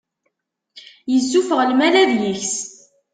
Yessufeɣ lmal ad yeks.